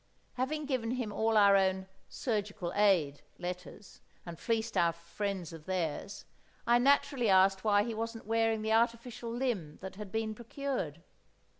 Having given him all our own "Surgical Aid" letters, and fleeced our friends of theirs, I naturally asked why he wasn't wearing the artificial limb that had been procured?